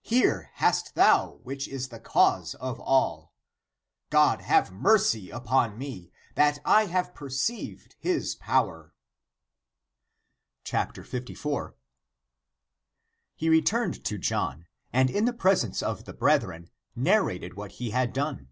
Here hast thou which is the cause of all. God have mercy upon me, that I have perceived his power." 54. He returned to John, and in the presence of the brethren narrated what he had done.